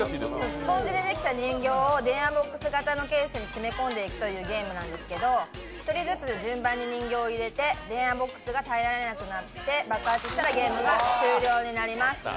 スポンジでできた人形を電話ボックス型のケースに詰めていくというゲームなんですが１人ずつ順番に人形を入れて電話ボックスが耐えられなくなって爆発したらゲームが終了になります。